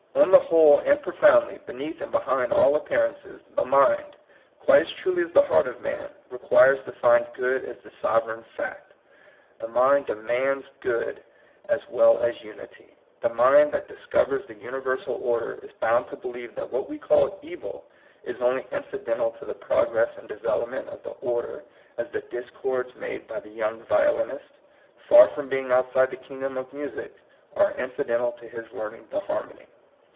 On the whole and profoundly, beneath and behind all appeaiv ances, the mind, quite as truly as the heart of man, requires to find good as the sov ereign fact. The mind demands good as well as unity. The mind that discovers the universal order is bound to believe that what we call "evil" is only incidental to the progress and development of the order, as the discords made by the young violinist, far from being outside the kingdom of music, are incidental to his learning the harmony.